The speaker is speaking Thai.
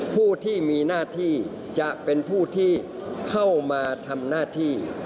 ผู้ที่มีหน้าที่จะเป็นผู้ที่เข้ามาทำหน้าที่